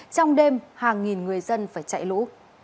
trong đêm hàng nghìn người dân phải chạy lũ